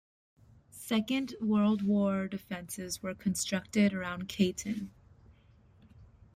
Second World War defences were constructed around Cayton.